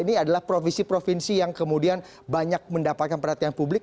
ini adalah provinsi provinsi yang kemudian banyak mendapatkan perhatian publik